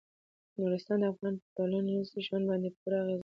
نورستان د افغانانو په ټولنیز ژوند باندې پوره اغېز لري.